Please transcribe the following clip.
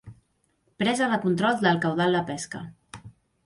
Presa de control del caudal de pesca.